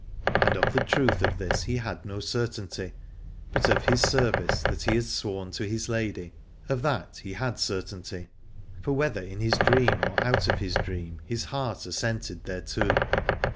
And of the truth of this he had no certainty, but of his service that he had sworn to his lady, of that he had certainty, for whether in his dream or out of his dream his heart assented thereto.